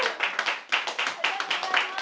ありがとうございます！